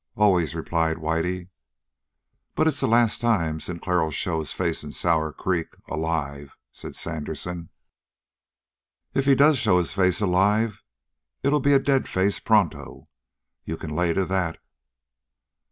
"Always," replied Whitey. "But it's the last time Sinclair'll show his face in Sour Creek alive," said Sandersen. "If he does show his face alive, it'll be a dead face pronto. You can lay to that."